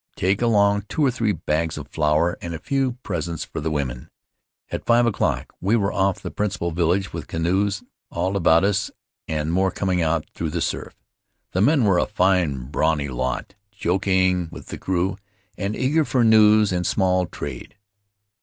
Take along two or three bags of flour and a few presents for the women.' 'At five o'clock we were off the principal village, with canoes all about us and more coming out through the surf. The men were a fine, brawny lot, joking Marooned on Mataora with the crew, and eager for news and small trade.